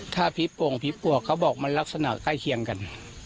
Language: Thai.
ถ้าผีโป่งผีปวกเขาบอกมันลักษณะใกล้เคียงกัน